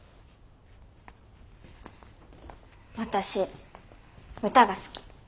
私歌が好き。